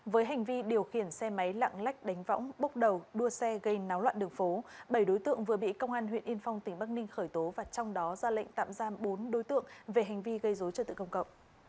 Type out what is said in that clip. với hành vi điều khiển xe máy lạng lách đánh võng bốc đầu đua xe gây náo loạn đường phố bảy đối tượng vừa bị công an huyện yên phong tỉnh bắc ninh khởi tố và trong đó ra lệnh tạm giam bốn đối tượng về hành vi gây dối trật tự công cộng